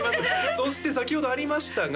そして先ほどありましたが